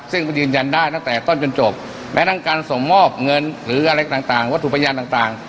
ซึ่งมันยืนยันได้ตั้งแต่ต้นจนจบแม้ทั้งการส่งมอบเงินหรืออะไรต่างวัตถุพยานต่าง